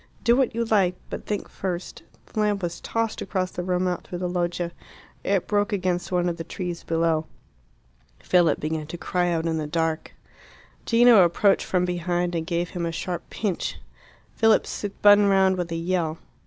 "Do what you like; but think first " The lamp was tossed across the room, out through the loggia. It broke against one of the trees below. Philip began to cry out in the dark. Gino approached from behind and gave him a sharp pinch. Philip spun round with a yell.